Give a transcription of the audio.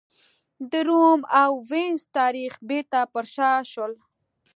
د روم او وینز تاریخ بېرته پر شا شول.